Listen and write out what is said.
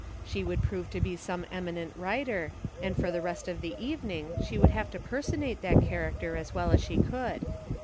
She would prove to be some em inent writer, and for the rest of the evening she would have to personate that character as well as she could.